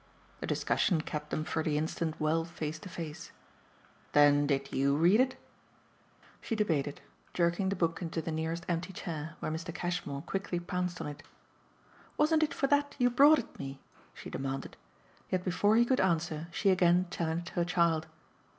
The discussion kept them for the instant well face to face. "Then did YOU read it?" She debated, jerking the book into the nearest empty chair, where Mr. Cashmore quickly pounced on it. "Wasn't it for that you brought it me?" she demanded. Yet before he could answer she again challenged her child.